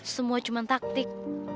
semua cuma taktik